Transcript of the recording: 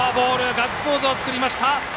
ガッツポーズを作りました。